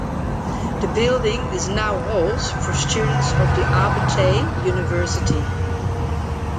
The building is now halls for students of the Abertay University.